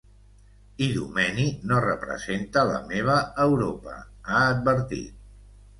Idomeni no representa la meva Europa, ha advertit.